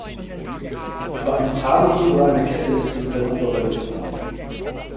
Über einen Zahnriemen oder eine Kette ist sie mit der Motorwelle verbunden.